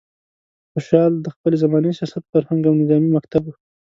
خوشحال د خپلې زمانې سیاست، فرهنګ او نظامي مکتب و.